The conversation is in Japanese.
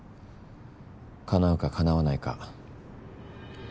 かなうかかなわないか。